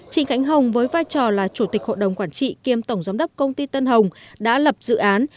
trịnh khánh hồng với vai trò là chủ tịch hội đồng quản trị kiêm tổng giám đốc công ty tân hồng đã lập dự án